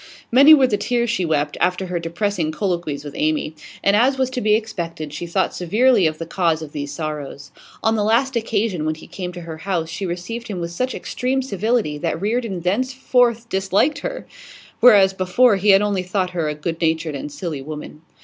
Many were the tears she wept after her depressing colloquies with Amy; and, as was to be expected, she thought severely of the cause of these sorrows. On the last occasion when he came to her house she received him with such extreme civility that Reardon thenceforth disliked her, whereas before he had only thought her a good natured and silly woman.